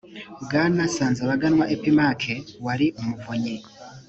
bwana nsanzabaganwa epimaque wari umuvunyi